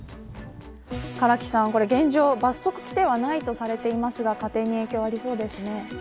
唐木さん、現状罰則規定はないとされてますが家庭に影響ありそうですね。